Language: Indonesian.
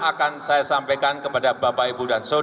akan saya sampaikan kepada menteri keuangan